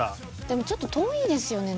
でもちょっと遠いですよね。